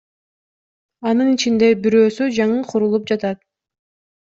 Анын ичинде бирөөсү жаңы курулуп жатат.